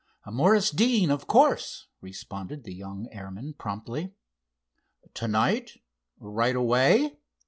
"Morris Deane, of course," responded the young airman, promptly. "To night; right away?"